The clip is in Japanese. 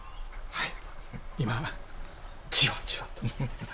はい。